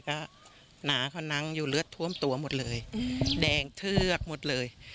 ก็หนาเขานั่งอยู่เลือดท่วมตัวหมดเลยแดงเทือกหมดเลย